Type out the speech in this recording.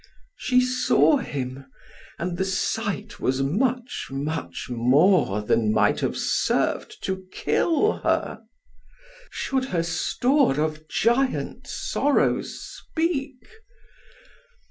She saw him, and the sight was much much more Than might have serv'd to kill her: should her store Of giant sorrows speak?